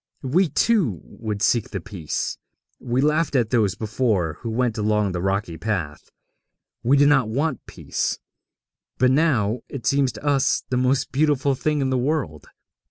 We, too, would seek the Peace. We laughed at those before who went along the rocky path; we did not want peace; but now it seems to us the most beautiful thing in the world.